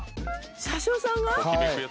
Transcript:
車掌さんが？